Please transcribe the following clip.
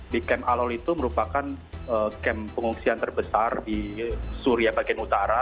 di camp al hol itu merupakan kamp pengungsian terbesar di suria bagian utara